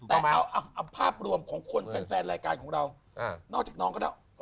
แต่เอาภาพรวมของคนแฟนรายการของเรานอกจากน้องก็แล้ว